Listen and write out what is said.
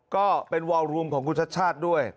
ก็เป็นวอลูมของคุณชัชชาสิทธิพันธุ์ด้วย